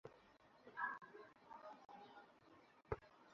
অটোরিকশাটি জব্দ করা হলেও সেটি জনকণ্ঠ কর্তৃপক্ষ চাইলে ব্যবহার করতে পারবে।